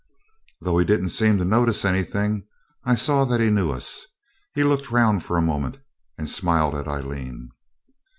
Though he didn't seem to notice anything, I saw that he knew us. He looked round for a moment, and smiled at Aileen.